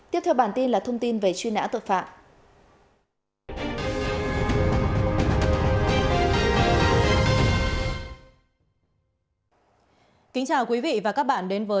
tiếp theo bản tin là thông tin về chuyên ả tội phạm